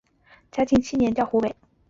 嘉庆七年调湖北。